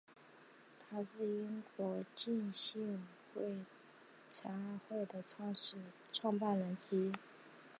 他是英国浸信会差会的创办人之一。